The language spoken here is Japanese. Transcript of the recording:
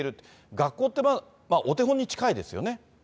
学校ってお手本に近いですよね。